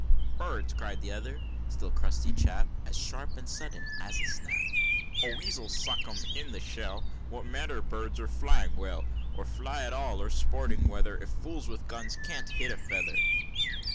"Birds!" cried the little crusty chap, As sharp and sudden as a snap, "A weasel suck them in the shell! What matter birds, or flying well, Or fly at all, or sporting weather, If fools with guns can't hit a feather!"